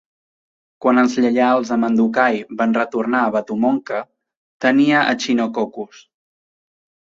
Quan els lleials a Mandukhai van retornar Batumongke, tenia "Echinococcus".